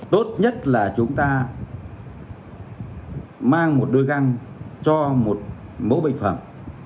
tốt nhất là chúng ta mang một đôi găng cho một mẫu bệnh phẩm